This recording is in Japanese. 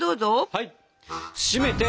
はい！